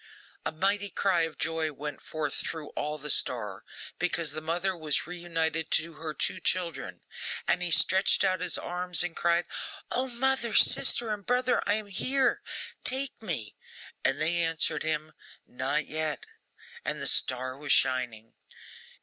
A mighty cry of joy went forth through all the star, because the mother was re united to her two children. And he stretched out his arms and cried, 'O, mother, sister, and brother, I am here! Take me!' And they answered him, 'Not yet,' and the star was shining.